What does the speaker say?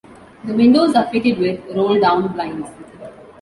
The windows are fitted with roll-down blinds.